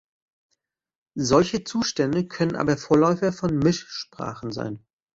Solche Zustände können aber Vorläufer von Mischsprachen sein.